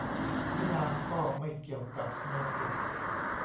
วิฬาร์ก็ไม่เกี่ยวกับนาสิก